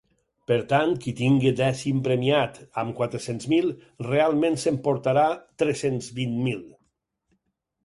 Per tant, qui tingui dècim premiat amb quatre-cents mil, realment s’emportarà tres-cents vint mil.